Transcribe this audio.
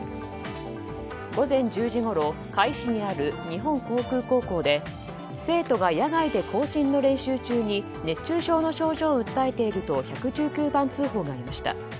午前１０時ごろ甲斐市にある日本航空高校で生徒が野外で行進の練習中に熱中症の症状を訴えていると１１９番通報がありました。